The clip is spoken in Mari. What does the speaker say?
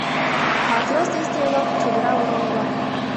Матрос ден стрелок — чодыра орол-влак.